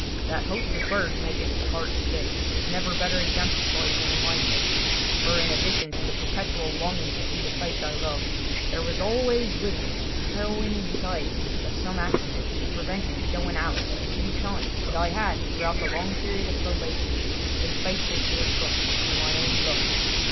That "hope deferred maketh the heart sick" was never better exemplified than in my case, for in addition to the perpetual longing to see the face I loved there was always with me a harrowing anxiety lest some accident should prevent me showing Alice in due time that I had, throughout the long period of probation, been faithful to her trust and my own love.